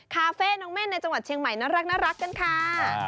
คาเฟ่น้องเม่นในจังหวัดเชียงใหม่น่ารักกันค่ะ